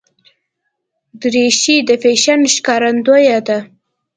دریشي د فیشن ښکارندویه ده.